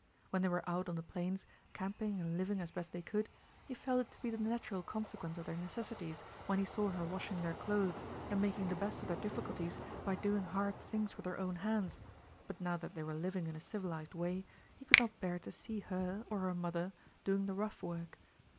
When they were out on the plains camping and living as best they could, he felt it to be the natural consequence of their necessities when he saw her washing their clothes and making the best of their difficulties by doing hard things with her own hands, but now that they were living in a civilized way, he could not bear to see her, or her mother, doing the rough work.